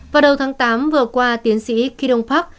vào đầu tháng tám vừa qua tiến sĩ kiddong park